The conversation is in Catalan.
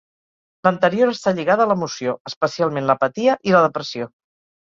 L'anterior està lligada a l'emoció, especialment l'apatia i la depressió.